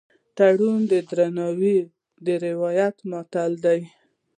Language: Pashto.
تړون ته د درناوي د روایت ماتول دي.